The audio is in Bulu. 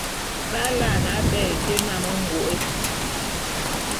B’alaene aba été mamə ngôé.